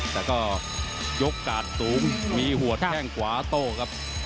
แต่ก็ยกกาดสูงมีหัวแข้งขวาโต้ครับ